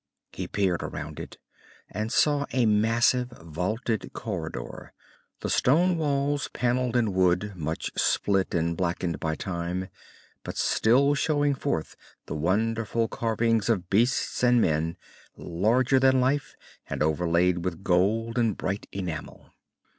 He peered around it, and saw a massive, vaulted corridor, the stone walls panelled in wood much split and blackened by time, but still showing forth the wonderful carvings of beasts and men, larger than life and overlaid with gold and bright enamel.